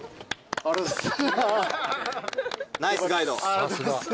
ありがとうございます。